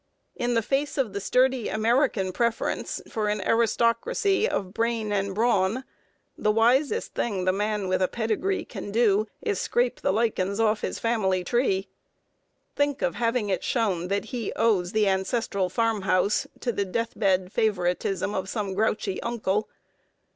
In the face of the sturdy American preference for an aristocracy of brain and brawn, the wisest thing the man with a pedigree can do is to scrape the lichens off his family tree. Think of having it shown that he owes the ancestral farmhouse to the deathbed favoritism of some grouchy uncle!